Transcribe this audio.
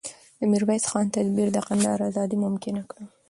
د میرویس خان تدبیر د کندهار ازادي ممکنه کړه.